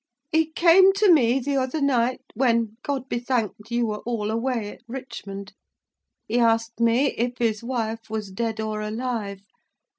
"He came to me the other night—when—God be thanked—you were all away at Richmond. He asked me if his wife was dead or alive.